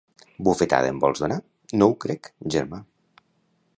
Bufetada em vols donar? No ho crec, germà.